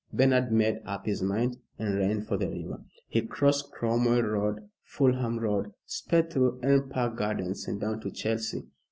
Bernard made up his mind and ran for the river. He crossed Cromwell Road, Fulham Road, sped through Elm Park Gardens, and down to Chelsea.